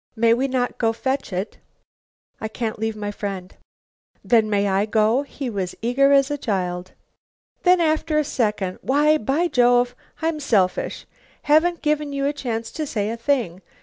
"May we not go fetch it?" "I can't leave my friend." "Then may I go?" He was eager as a child. Then after a second, "Why, by Jove! I'm selfish. Haven't given you a chance to say a thing.